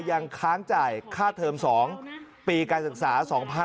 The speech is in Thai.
ยังค้างจ่ายค่าเทอม๒ปีการศึกษา๒๕๖๒